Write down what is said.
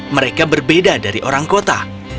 mereka berbeda dari orang kota